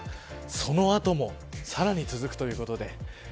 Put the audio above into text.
その後もさらに続くということで。